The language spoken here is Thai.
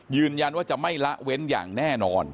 ยืนยันว่าจะไม่ละเว้นอย่างแน่นอน